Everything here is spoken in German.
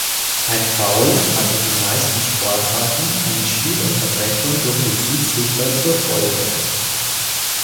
Ein Foul hat in den meisten Sportarten eine Spielunterbrechung durch den Schiedsrichter zur Folge.